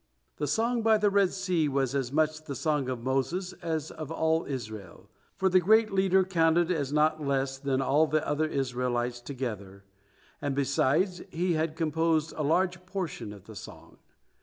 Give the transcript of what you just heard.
The song by the Red Sea was as much the song of Moses as of all Israel, for the great leader counted as not less than all the other Israelites together, and, besides, he had composed a large portion of the song.